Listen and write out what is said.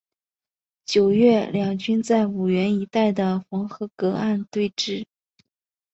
九月两军在五原一带的黄河隔岸对峙。